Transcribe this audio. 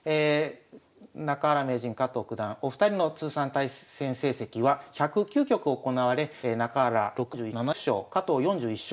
中原名人加藤九段お二人の通算対戦成績は１０９局行われ中原６７勝加藤４１勝